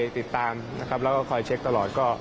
ติดตามและคอยเช็คตลอด